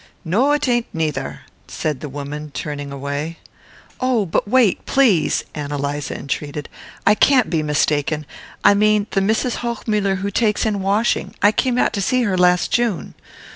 "No, it ain't neither," said the woman turning away. "Oh, but wait, please," Ann Eliza entreated. "I can't be mistaken. I mean the Mrs. Hochmuller who takes in washing. I came out to see her last June."